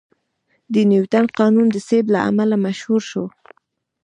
د نیوتن قانون د سیب له امله مشهور شو.